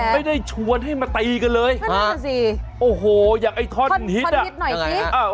ไม่ได้ชวนให้มาตีกันเลยโอ้โหอยากไอ้ท่อนฮิตอ่ะ